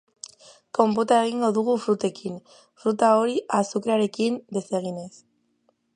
Konpota egingo dugu frutekin, fruta hori azukrearekin deseginez.